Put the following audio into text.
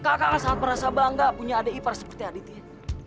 kakak kakak sangat merasa bangga punya adik ipar seperti aditya